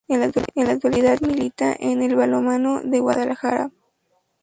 En la actualidad milita en el Balonmano Guadalajara.